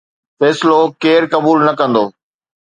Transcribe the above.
فيصلو ڪير قبول نه ڪندو؟